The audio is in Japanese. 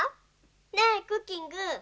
ねえクッキング。